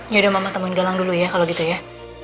yaudah mama temuin galang dulu ya kalau gitu ya